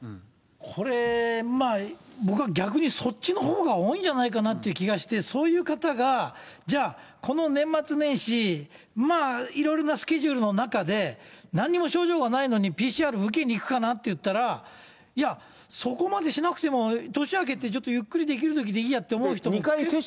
これ、まあ、僕は逆にそっちのほうが多いんじゃないかなっていう気がして、そういう方が、じゃあ、この年末年始、いろいろなスケジュールの中で、なんにも症状がないのにＰＣＲ受けに行くかなっていったら、いや、そこまでしなくても、年明けてちょっとゆっくりできるときでいいやって思う人も。